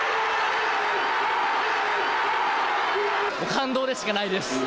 感動しかないです。